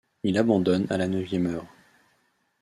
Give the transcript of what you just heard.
Il abandonne à la neuvième heure.